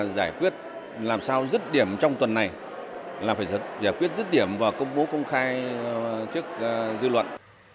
giải quyết làm sao dứt điểm trong tuần này là phải giải quyết rứt điểm và công bố công khai trước dư luận